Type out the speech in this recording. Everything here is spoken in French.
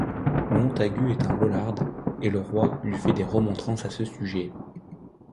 Montagu est un Lollard, et le roi lui fait des remontrances à ce sujet.